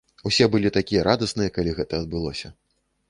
Усе былі такія радасныя, калі гэта адбылося!